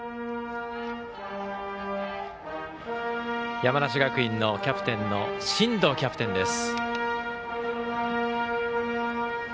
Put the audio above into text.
山梨学院のキャプテンの進藤キャプテンです。